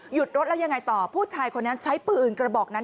รถแล้วยังไงต่อผู้ชายคนนั้นใช้ปืนกระบอกนั้น